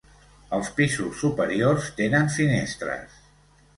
Els pisos superiors tenen finestres.